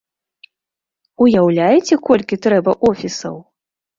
Уяўляеце, колькі трэба офісаў?!